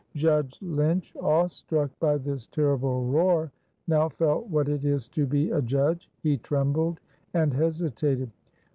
Judge Lynch, awestruck by this terrible roar, now felt what it is to be a judge; he trembled and hesitated.